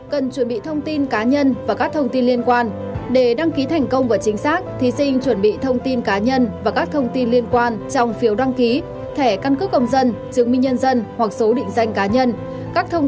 cần chuẩn bị thông tin cá nhân và các thông tin liên quan để đăng ký thành công và chính xác thí sinh chuẩn bị thông tin cá nhân và các thông tin liên quan trong phiếu đăng ký thẻ căn cước công dân chứng minh nhân dân hoặc số định danh cá nhân